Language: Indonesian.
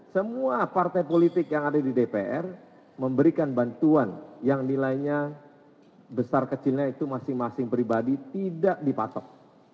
semua partai politik yang ada di dpr memberikan bantuan yang nilainya besar kecilnya itu masing masing pribadi tidak dipatok